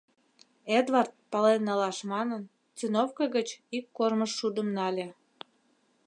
Эдвард, пален налаш манын, циновко гыч ик кормыж шудым нале.